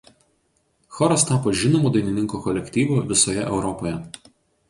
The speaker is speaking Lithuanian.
Choras tapo žinomu dainininkų kolektyvu visoje Europoje.